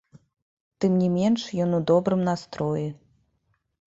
Тым не менш, ён у добрым настроі.